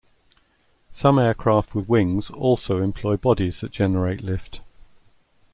Some aircraft with wings also employ bodies that generate lift.